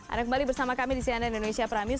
anda kembali bersama kami di cnn indonesia pramius